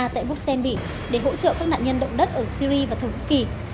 tại quốc sen bỉ để hỗ trợ các nạn nhân động đất ở syri và thổ quỳ kỳ